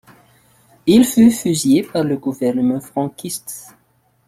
Il fut fusillé par le gouvernement franquiste.